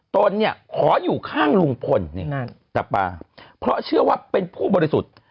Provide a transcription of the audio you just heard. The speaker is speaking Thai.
ตนเนี่ยขออยู่ข้างลุงพลนี่นั่นแต่ป่าเพราะเชื่อว่าเป็นผู้บริสุทธิ์